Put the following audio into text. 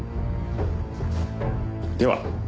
では。